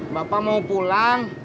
bapak mau pulang